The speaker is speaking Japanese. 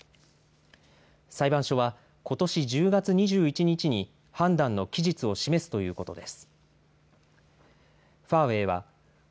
裁判所はことし１０月２１日に判断の期日を示すということです。